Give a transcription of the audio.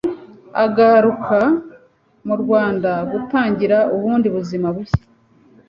agaruka mu Rwanda gutangira ubundi buzima bushya,